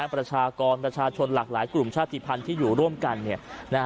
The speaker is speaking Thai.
ประชากรประชาชนหลากหลายกลุ่มชาติภัณฑ์ที่อยู่ร่วมกัน